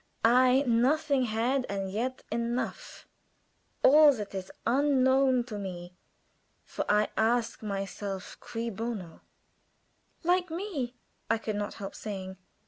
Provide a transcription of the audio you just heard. "'I nothing had, and yet enough' all that is unknown to me. For I ask myself, Cui bono?" "Like me," I could not help saying.